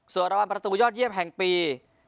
ส่วนรางวัลประตูยอดเยี่ยมแห่งปี